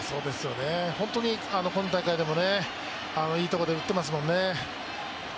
本当に今大会でもいいところで打ってますもんね。